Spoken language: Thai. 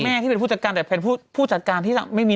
แม่ที่เป็นผู้จัดการแต่แผนผู้จัดการที่สั่งไม่มี